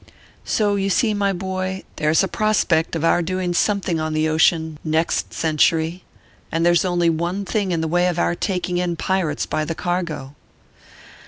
So you see, my boy, there s a prospect of our doing something on the ocean next century, and there s only one thing in the way of our taking in pirates by the cargo.